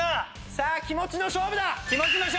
さあ気持ちの勝負だ。